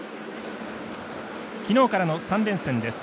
昨日からの３連戦です。